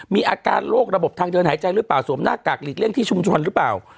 มีอาการโรคระบบทางเดินหายใจหรือเปล่าสวมหน้ากากหลีกเลี่ยงที่ชุมชนหรือเปล่า